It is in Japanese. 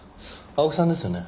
青木さんですよね？